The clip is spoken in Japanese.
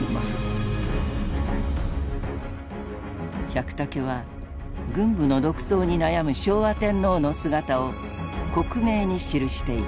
百武は軍部の独走に悩む昭和天皇の姿を克明に記していた。